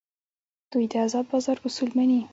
دوی د ازاد بازار اصول مني.